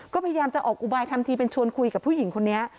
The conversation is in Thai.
ก็พยายามจะออกอุบายทำทีเป็นชวนคุยกับผู้หญิงคนนี้